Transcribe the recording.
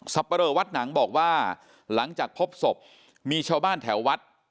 ปะเลอวัดหนังบอกว่าหลังจากพบศพมีชาวบ้านแถววัด